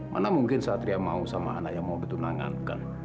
mana mungkin satria mau sama anak yang mau ditunangkan